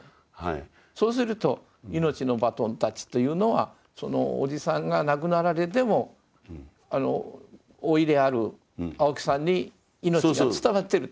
そうすると「命のバトンタッチ」というのはそのおじさんが亡くなられても甥である青木さんに命が伝わってると。